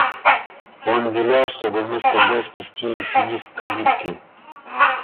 Он велел, чтобы мы с тобой спустились вниз, к калитке.